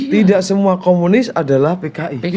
tidak semua komunis adalah pki